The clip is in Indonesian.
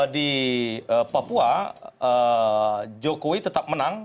di papua jokowi tetap menang